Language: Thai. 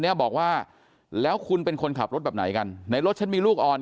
เนี้ยบอกว่าแล้วคุณเป็นคนขับรถแบบไหนกันในรถฉันมีลูกอ่อน